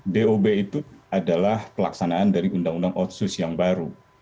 dob itu adalah pelaksanaan dari undang undang otsus yang baru